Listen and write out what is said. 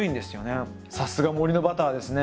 さすが森のバターですね。